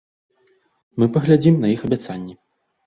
Мы паглядзім на іх абяцанні.